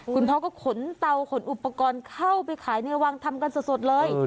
คุณพ่อก็ขนเตาขนอุปกรณ์เข้าไปขายในวังทำกันสดเลย